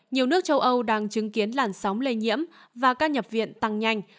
nhiều nước châu âu đang chứng kiến làn sóng lây nhiễm và ca nhập viện tăng nhanh